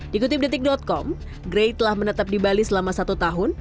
dikutip detik com gray telah menetap di bali selama satu tahun